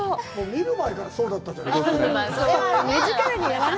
見る前からそうだったじゃないですか。